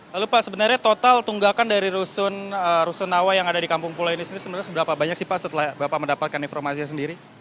lalu pak sebenarnya total tunggakan dari rusun awa yang ada di kampung pulau ini sendiri sebenarnya seberapa banyak sih pak setelah bapak mendapatkan informasi sendiri